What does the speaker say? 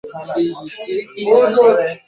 আমার বিশ্বাস, আপনার খেলাফত কালে তা হবে না।